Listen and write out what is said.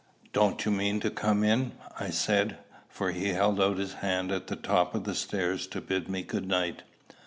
"Don't you mean to come in?" I said, for he held out his hand at the top of the stairs to bid me good night.